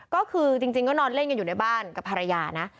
ก็คือจริงก็นอนเล่นกันอยู่ในบ้านกับภรรยานะ